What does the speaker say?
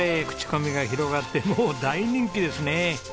口コミが広がってもう大人気ですね。